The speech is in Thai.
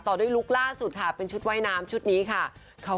ด้วยลุคล่าสุดค่ะเป็นชุดว่ายน้ำชุดนี้ค่ะ